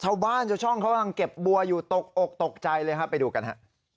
ช่องบ้านเขาต้องเก็บบัวอยู่ตกออกตกใจเลยนะฮะไปดูกันฮะ